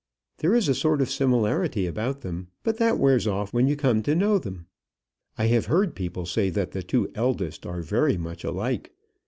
There is a sort of similarity about them; but that wears off when you come to know them. I have heard people say that the two eldest are very much alike.